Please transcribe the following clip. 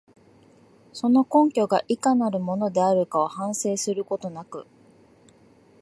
その根拠がいかなるものであるかを反省することなく、